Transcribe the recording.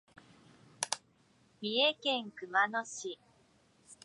三重県熊野市